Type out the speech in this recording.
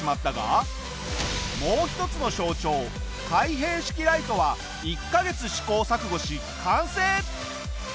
もう一つの象徴開閉式ライトは１カ月試行錯誤し完成！